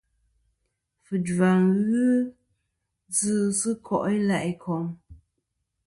Fujva ghɨ djɨ sɨ ko' i la' ikom.